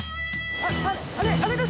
あれあれです！